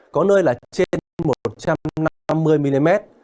có nơi là trên một trăm năm mươi mm